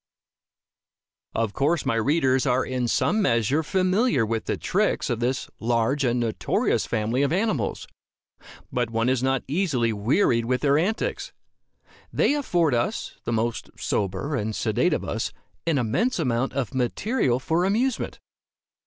Of course my readers are in some measure familiar with the tricks of this large and notorious family of animals. But one is not easily wearied with their antics. They afford us, the most sober and sedate of us, an immense amount of material for amusement.